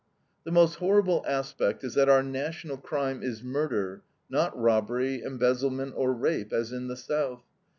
The most horrible aspect is that our national crime is murder, not robbery, embezzlement, or rape, as in the South.